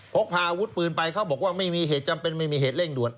พกพาอาวุธปืนไปเขาบอกว่าไม่มีเหตุจำเป็นไม่มีเหตุเร่งด่วน